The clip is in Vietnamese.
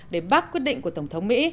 để bác quyết định của tổng thống mỹ